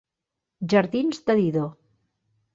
Jardins de Dido.